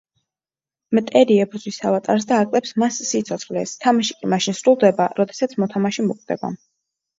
მტერი ებრძვის ავატარს და აკლებს მას სიცოცხლეს, თამაში კი მაშინ სრულდება, როდესაც მოთამაშე მოკვდება.